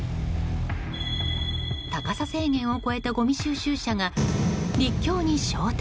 高さ制限を超えたごみ収集車が陸橋に衝突。